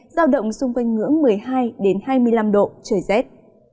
giao động xung quanh ngưỡng một mươi hai hai mươi năm độ trời rét